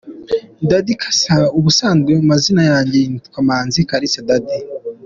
Daddy cassa : Ubusanzwe amazina yanjye nitwa Manzi Kalisi Daddy.